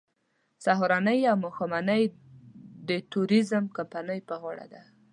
سهارنۍ او ماښامنۍ د ټوریزم کمپنۍ په غاړه ده.